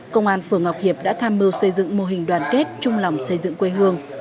công an phường ngọc hiệp đã tham mưu xây dựng mô hình đoàn kết chung lòng xây dựng quê hương